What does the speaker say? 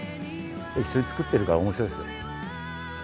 一緒に作ってるからおもしろいですよ。